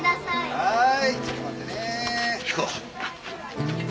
はい。